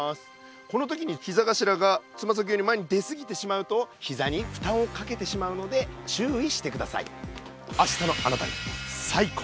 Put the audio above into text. この時にひざがしらがつまさきより前にですぎてしまうとひざにふたんをかけてしまうので注意してください。